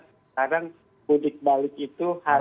sekarang mudik balik itu harus